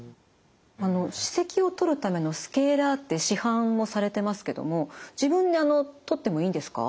歯石を取るためのスケーラーって市販もされてますけども自分で取ってもいいんですか？